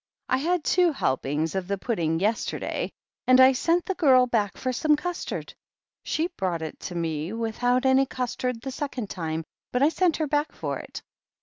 I had two helpings of the pudding yesterday, and I sent the girl back for some custard. She brought it to me with out any custard the second time, but I sent her back for it.